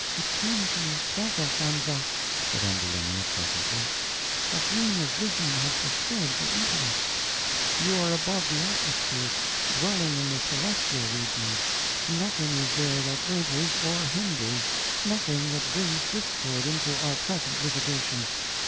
"Return to your self, Elfonzo," said Ambulinia, pleasantly; "a dream of vision has disturbed your intellect; you are above the atmosphere, dwelling in the celestial regions; nothing is there that urges or hinders, nothing that brings discord into our present litigation.